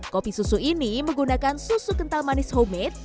kopi susu ini menggunakan susu kental manis homemade